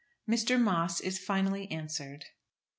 MR. MOSS IS FINALLY ANSWERED.